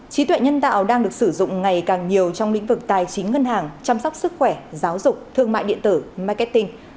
trí tuệ nhân tạo đang được sử dụng ngày càng nhiều trong lĩnh vực tài chính ngân hàng chăm sóc sức khỏe giáo dục thương mại điện tử marketing